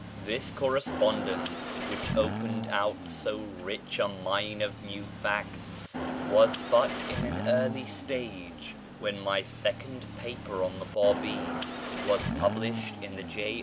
This correspondence, which opened out so rich a mine of new facts, was but in an early stage when my second paper on the Bábís was published in the J.